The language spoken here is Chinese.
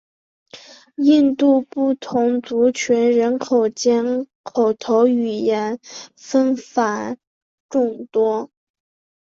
印度不同族群人口间口头语言纷繁众多。